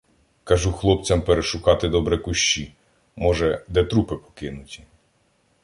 Кажу хлопцям перешукати добре кущі — може, де трупи покинуті.